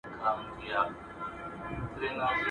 نن دي جهاني غزل ته نوی رنګ ورکړی دی.